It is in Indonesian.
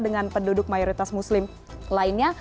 dengan penduduk mayoritas muslim lainnya